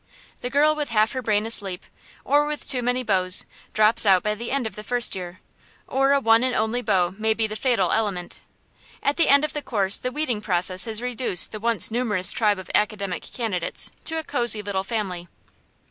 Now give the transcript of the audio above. The girl with half her brain asleep, or with too many beaux, drops out by the end of the first year; or a one and only beau may be the fatal element. At the end of the course the weeding process has reduced the once numerous tribe of academic candidates to a cosey little family.